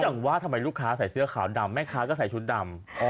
ก็จังว่าไม่ลูกค้าใส่เสื้อขาวดำแม่คะก็ใส่ชุดดำ